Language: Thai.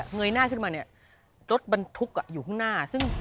เงยหน้าขึ้นมารถบันทุกข์อยู่ข้างหน้า